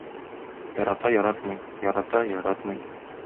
Ярата-яратмый, ярата-яратмый...